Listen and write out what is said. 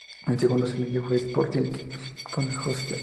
El segundo sencillo fue "Spotlight" con Usher.